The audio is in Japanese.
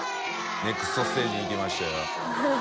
ネクストステージに行きましたよ。